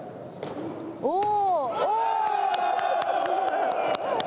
おお！